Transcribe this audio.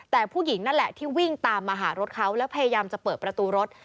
แต่ผู้หญิงนั่นแหละที่วิ่งตามมาหารถเขาแล้วพยายามจะเปิดประตูรถ